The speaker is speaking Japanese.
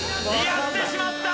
やってしまった！